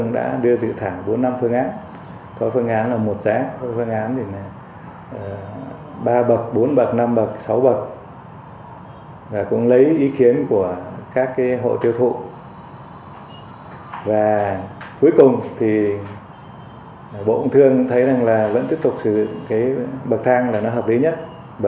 vậy nên tổng hóa đơn tiền điện tháng bốn sẽ cao hơn nhiều so với tháng ba